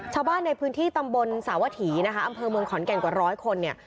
ชาวบ้านในพื้นที่ตำบลสาวถีนะคะอำเภอเมืองขอนแก่นกว่าร้อยคนเนี่ย